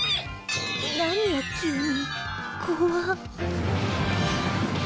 何よ急に怖っ。